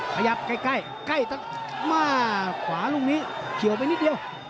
ขยับใกล้ใกล้มาขวาลูกนี้เฉียวไปนิดเดียว